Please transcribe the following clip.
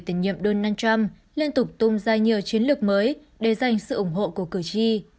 tổng nhiệm donald trump liên tục tung ra nhiều chiến lược mới để giành sự ủng hộ của cử tri